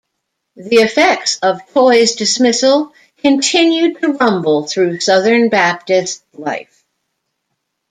The effects of Toy's dismissal continued to rumble through Southern Baptist life.